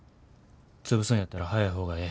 潰すんやったら早い方がええ。